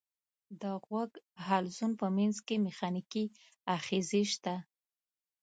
د غوږ حلزون په منځ کې مېخانیکي آخذې شته.